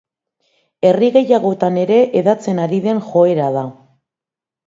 Herri gehiagotan ere hedatzen ari den joera da.